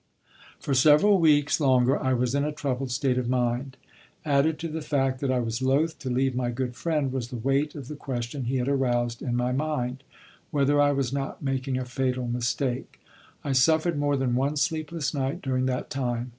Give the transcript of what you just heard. For several weeks longer I was in a troubled state of mind. Added to the fact that I was loath to leave my good friend was the weight of the question he had aroused in my mind, whether I was not making a fatal mistake. I suffered more than one sleepless night during that time.